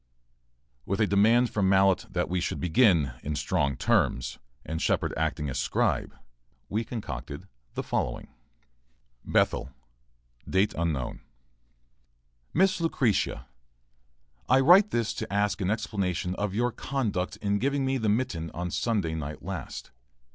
With a demand from Mallett that we should begin in strong terms, and Shepard acting as scribe, we concocted the following: BETHEL, , 18 . MISS LUCRETIA, I write this to ask an explanation of your conduct in giving me the mitten on Sunday night last.